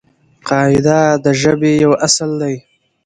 قاعده د ژبې یو اصل دئ.